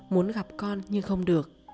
muốn gặp con nhưng không được